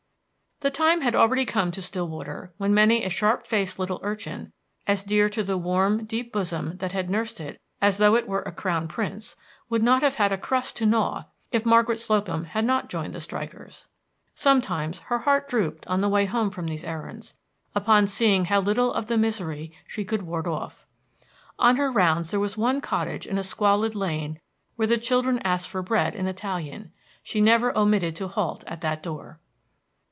The time had already come to Stillwater when many a sharp faced little urchin as dear to the warm, deep bosom that had nursed it as though it were a crown prince would not have had a crust to gnaw if Margaret Slocum had not joined the strikers. Sometimes her heart drooped on the way home from these errands, upon seeing how little of the misery she could ward off. On her rounds there was one cottage in a squalid lane where the children asked for bread in Italian. She never omitted to halt at that door.